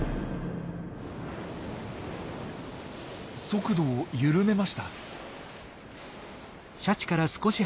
速度を緩めました。